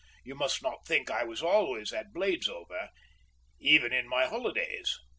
You must not think I was always at Bladesover—even in my holidays.